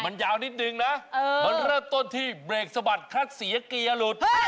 มันแร่ต้นที่เบรกสะบัดคลัดเสียเกลียรุด